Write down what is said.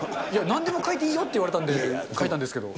なんでも書いていいよって言われたんで書いたんですけど。